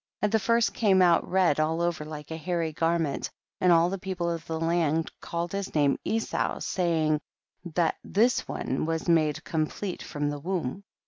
14. And the first came out red all over like a hairy garment, and all the people of the land called his name Esau, saying, that this one was made complete from the womb.